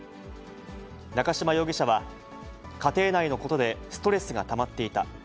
中島容疑者は、家庭内のことでストレスがたまっていた。